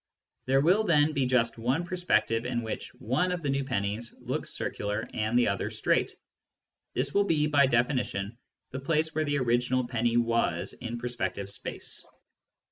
There will then be just one perspective in which one of the new pennies looks circular and the other straight. This will be, by definition, the place where the original penny was in perspective space.